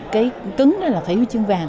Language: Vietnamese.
cái cứng đó là phải huy chương vàng